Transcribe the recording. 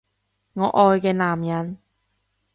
我愛嘅男人